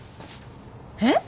えっ？